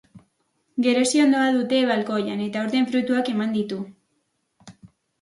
Gereziondoa dute balkoian eta aurten fruituak eman ditu.